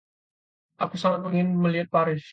Aku sangat ingin melihat Paris.